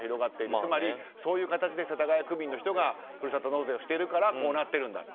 つまり、そういう形で世田谷区民の人がふるさと納税してるからこうなっているんだと。